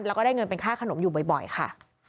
แล้วก็ได้เงินเป็นค่าขนมอยู่บ่อยค่ะ